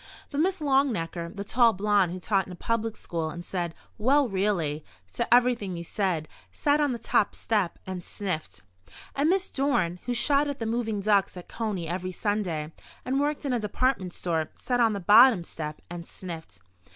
But Miss Longnecker, the tall blonde who taught in a public school and said, "Well, really!" to everything you said, sat on the top step and sniffed. And Miss Dorn, who shot at the moving ducks at Coney every Sunday and worked in a department store, sat on the bottom step and sniffed.